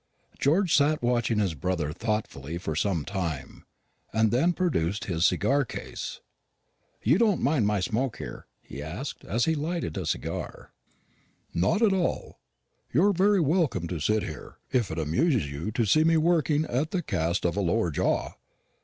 George sat watching his brother thoughtfully for some time, and then produced his cigar case. "You don't mind my smoke here?" he asked, as he lighted a cigar. "Not at all. You are very welcome to sit here, if it amuses you to see me working at the cast of a lower jaw."